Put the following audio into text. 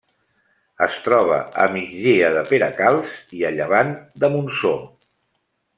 Es troba a migdia de Peracalç i a llevant de Montsor.